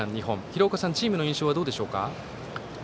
廣岡さんチームの印象はどうでしょうか？